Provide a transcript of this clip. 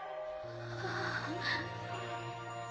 ああ。